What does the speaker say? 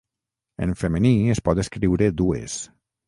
En femení es pot escriure dues.